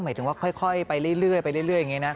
หมายถึงว่าค่อยไปเรื่อยไปเรื่อยอย่างนี้นะ